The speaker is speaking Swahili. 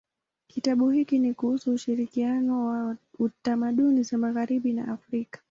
Kitabu hiki ni kuhusu ushirikiano wa tamaduni za magharibi na Afrika.